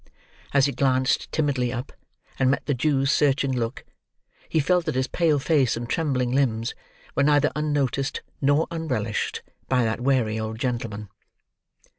As he glanced timidly up, and met the Jew's searching look, he felt that his pale face and trembling limbs were neither unnoticed nor unrelished by that wary old gentleman.